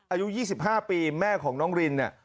อายุ๒๕ปีแม่ของน้องริน